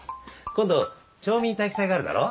今度町民体育祭があるだろ？